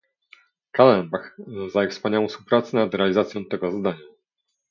Kallenbach, za ich wspaniałą współpracę nad realizacją tego zadania